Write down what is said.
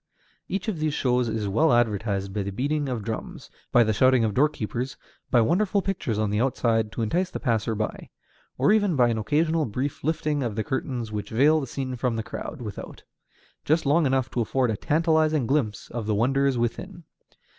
Each of these shows is well advertised by the beating of drums, by the shouting of doorkeepers, by wonderful pictures on the outside to entice the passer by, or even by an occasional brief lifting of the curtains which veil the scene from the crowd without, just long enough to afford a tantalizing glimpse of the wonders within.